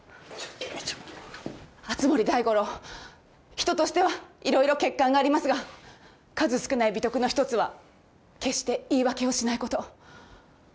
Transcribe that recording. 人としては色々欠陥がありますが数少ない美徳の一つは決して言い訳をしないこと。